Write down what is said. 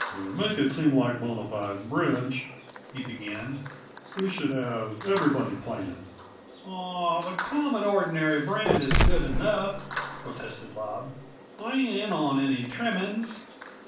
"To make it seem like bona fide bridge," he began, "we should have everybody playing." "Aw, the common, ordinary brand is good enough," protested Bob. "I ain't in on any trimmings."